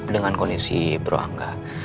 dengan kondisi bro angga